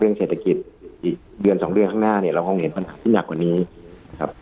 เศรษฐกิจอีกเดือนสองเดือนข้างหน้าเนี่ยเราคงเห็นปัญหาที่หนักกว่านี้ครับ